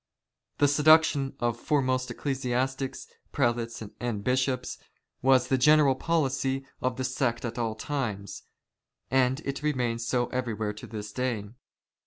The seduction of foremost ecclesiastics, prelates, and bishops, was the general policy of the sect at all times, and it remains so everywhere to this day.